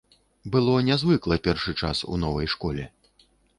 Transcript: Было нязвыкла першы час у новай школе.